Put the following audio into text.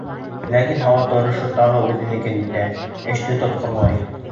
Ләкин һауа торошо тағы үҙенекен итә, эште тотҡарлай.